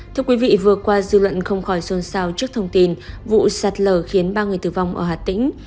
thưa quý vị vừa qua dư luận không khỏi sơn sao trước thông tin vụ sạt lở khiến ba người tử vong ở hà tĩnh